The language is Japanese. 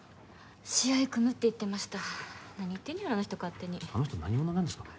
試合組むって言ってました何言ってんねやろあの人勝手にあの人何者なんですかね